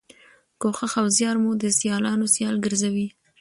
کوښښ او زیار مو د سیالانو سیال ګرځوي.